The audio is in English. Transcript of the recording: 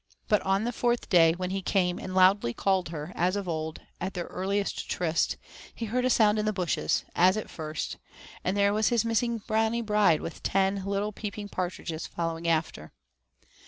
But on the fourth day, when he came and loudly called her, as of old, at their earliest tryst, he heard a sound in the bushes, as at first, and there was his missing Brownie bride with ten little peeping partridges following after.